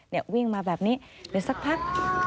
วิ่งมาแบบนี้เดี๋ยวสักพัก